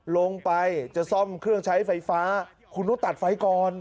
ลงไปจะซ่อมเครื่องใช้ไฟฟ้าคุณต้องตัดไฟก่อน